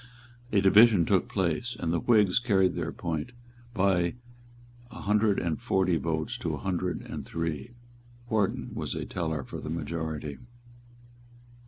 A division took place; and the Whigs carried their point by a hundred and forty votes to a hundred and three. Wharton was a teller for the majority.